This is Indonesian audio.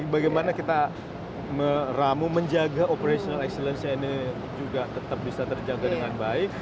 bagaimana kita meramu menjaga operational excellence nya ini juga tetap bisa terjaga dengan baik